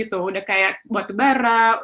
sudah seperti batu bara